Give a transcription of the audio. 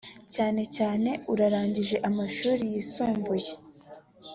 cyane cyane ururangije amashuri yisumbuye